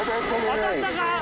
当たったか？